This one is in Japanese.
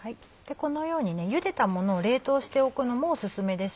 このようにゆでたものを冷凍しておくのもオススメです。